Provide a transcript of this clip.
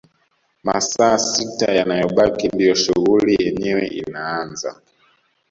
Masaa sita yanayobaki ndio shughuli yenyewe inaaza